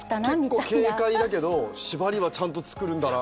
結構軽快だけど縛りはちゃんと作るんだな。